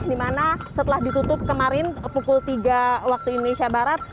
dimana setelah ditutup kemarin pukul tiga waktu indonesia barat